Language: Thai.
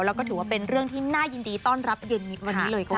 แล้วก็ถือว่าเป็นเรื่องที่น่ายินดีต้อนรับเย็นนิดวันนี้เลยจ้